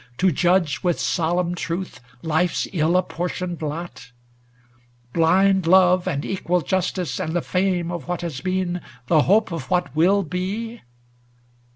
To judge with solemn truth life's ill appor tioned lot ? Blind Love, and equal Justice, and the Fame Of what has been, the Hope of what will be